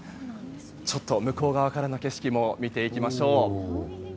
ちょっと向こう側からの景色も見ていきましょう。